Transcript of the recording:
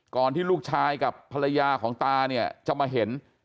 ที่ลูกชายกับภรรยาของตาเนี่ยจะมาเห็น